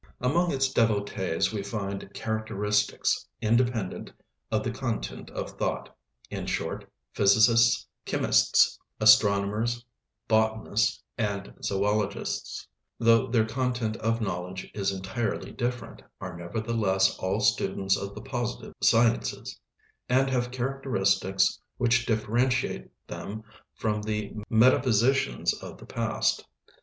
Among its devotees we find "characteristics" independent of the content of thought; in short, physicists, chemists, astronomers, botanists, and zoologists, though their content of knowledge is entirely different, are nevertheless all students of the positive sciences, and have characteristics which differentiate them from the metaphysicians of the past.